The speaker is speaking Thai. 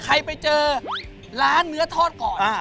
ใครไปเจอร้านเนื้อทอดก่อน